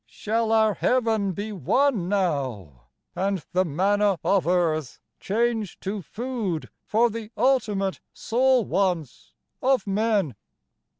shall our Heaven be won now, And the manna of earth changed to food for the ultimate soul wants of men